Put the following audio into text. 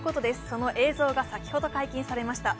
その映像が先ほど解禁されました。